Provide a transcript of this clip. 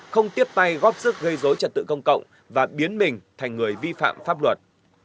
không tiếp tay góp sức gây dối trật tự công cộng và biến mình thành người vi phạm pháp luật